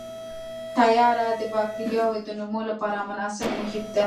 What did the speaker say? تیاره د بکټریاوو د نمو لپاره مناسب محیط دی.